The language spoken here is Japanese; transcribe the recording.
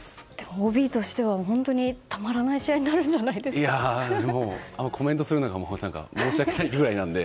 ＯＢとしては本当にたまらない試合にコメントするのが申し訳ないぐらいなので。